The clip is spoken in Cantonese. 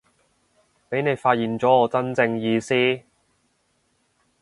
畀你發現咗我真正意思